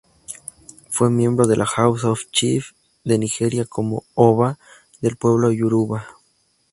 Fue miembro de la ""House of Chiefs"" de Nigeria como "Oba" del pueblo Yoruba.